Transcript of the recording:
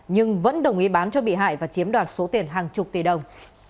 nhưng vẫn đồng ý bán cho bị hại và chiếm đoạt số tiền hàng chục tỷ đồng